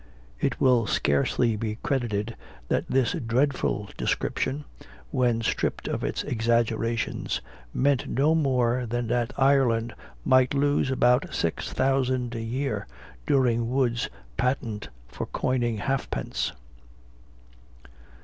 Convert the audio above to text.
It will scarcely be credited, that this dreadful description, when stripped of its exaggerations, meant no more than that Ireland might lose about six thousand a year during Wood's patent for coining halfpence!